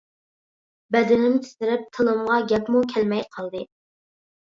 بەدىنىم تىترەپ، تىلىمغا گەپمۇ كەلمەي قالدى.